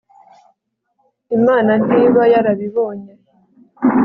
imana ntiba yarabibonye